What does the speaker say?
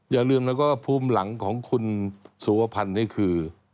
อย่าลืมนะว่าภูมิหลังของคุณสุวพันธ์นี่คือ